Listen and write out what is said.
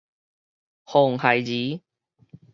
紅孩兒